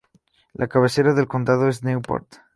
La cabecera del condado es Newport.